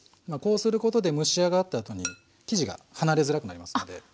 こうすることで蒸し上がったあとに生地が離れづらくなりますので。